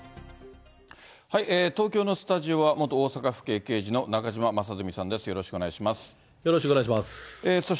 東京のスタジオは、元大阪府警刑事の中島正純さんです。